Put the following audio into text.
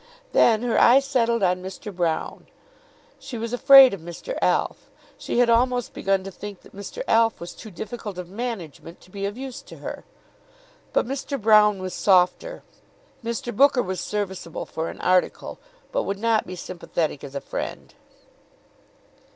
Then her eye settled on Mr. Broune. She was afraid of Mr. Alf. She had almost begun to think that Mr. Alf was too difficult of management to be of use to her. But Mr. Broune was softer. Mr. Booker was serviceable for an article, but would not be sympathetic as a friend.